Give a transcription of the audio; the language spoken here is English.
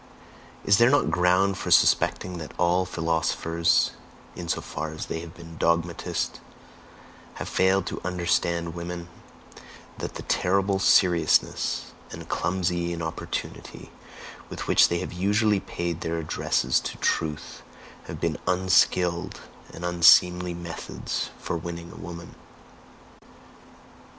Is there not ground for suspecting that all philosophers, in so far as they have been dogmatists, have failed to understand women that the terrible seriousness and clumsy importunity with which they have usually paid their addresses to Truth, have been unskilled and unseemly methods for winning a woman?